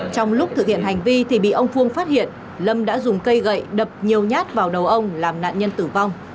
trong lúc thực hiện hành vi thì bị ông phương phát hiện lâm đã dùng cây gậy đập nhiều nhát vào đầu ông làm nạn nhân tử vong